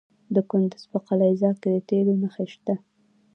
د کندز په قلعه ذال کې د تیلو نښې شته.